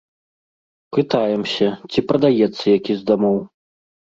Пытаемся, ці прадаецца які з дамоў.